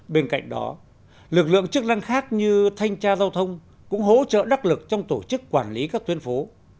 bên cạnh đó lực lượng chức năng khác như thanh tra giao thông cũng hỗ trợ đắc lực trong tổ chức quản lý các tuyến phố